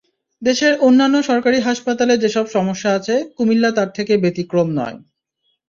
দেশের অন্যান্য সরকারি হাসপাতালে যেসব সমস্যা আছে, কুমিল্লা তার থেকে ব্যতিক্রম নয়।